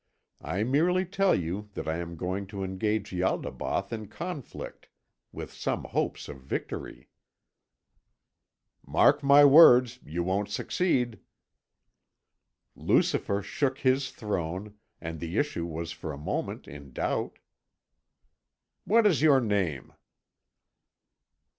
I merely tell you that I am going to engage Ialdabaoth in conflict with some hopes of victory." "Mark my words, you won't succeed." "Lucifer shook His throne, and the issue was for a moment in doubt." "What is your name?"